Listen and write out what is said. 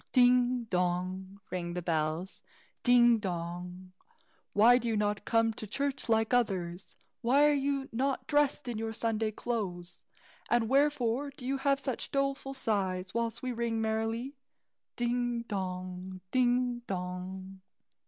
"Ding, dong!" rang the bells, "ding, dong! Why do you not come to church like others? Why are you not dressed in your Sunday clothes, and wherefore do you heave such doleful sighs, whilst we ring merrily? Ding, dong! ding, dong!"